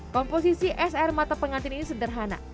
komposisi es air mata pengantin ini sederhana